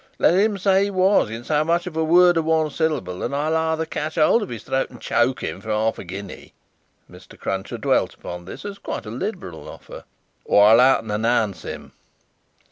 Let him say he was, in so much as a word of one syllable, and I'll either catch hold of his throat and choke him for half a guinea;" Mr. Cruncher dwelt upon this as quite a liberal offer; "or I'll out and announce him."